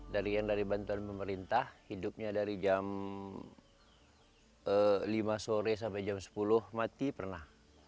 dari yang dari bantuan pemerintah hidupnya dari jam lima sore sampai jam sepuluh mati pernah